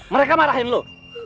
mereka marahkan kamu